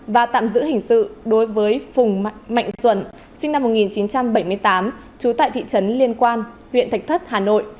và tạm giữ hình sự đối với phùng mạnh duẩn sinh năm một nghìn chín trăm bảy mươi tám trú tại thị trấn liên quan huyện thạch thất hà nội